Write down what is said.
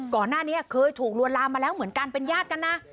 ก่อนหน้านี้เคยถูกลวนลามมาแล้วเหมือนกันเป็นญาติกันนะ